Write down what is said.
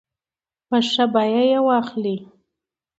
په ښه بیه یې واخلي.